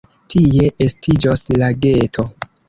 Tie estiĝos lageto.